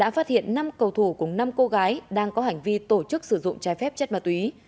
viện năm cầu thủ cùng năm cô gái đang có hành vi tổ chức sử dụng trái phép chất ma túy